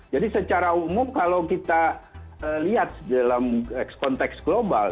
jadi secara umum kalau kita lihat dalam konteks global